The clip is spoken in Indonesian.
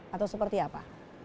atau seperti apa